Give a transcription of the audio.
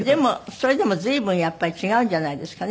それでも随分やっぱり違うんじゃないですかね？